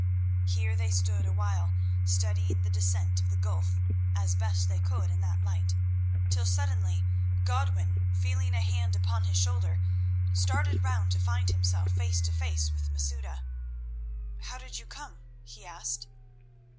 Here they stood awhile studying the descent of the gulf as best they could in that light, till suddenly Godwin, feeling a hand upon his shoulder, started round to find himself face to face with Masouda. "How did you come?" he asked.